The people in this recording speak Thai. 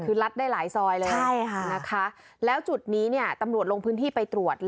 คือรัดได้หลายซอยเลยใช่ค่ะนะคะแล้วจุดนี้เนี่ยตำรวจลงพื้นที่ไปตรวจ